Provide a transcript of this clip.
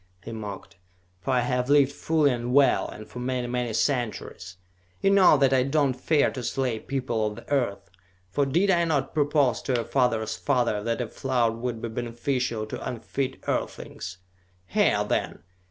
he mocked. "For I have lived fully and well, and for many, many centuries! You know that I do not fear to slay people of the Earth, for did I not propose to your father's father that a flood would be beneficial to unfit earthlings? Hear, then!